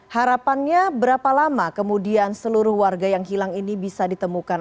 harapannya berapa lama kemudian seluruh warga yang hilang ini bisa ditemukan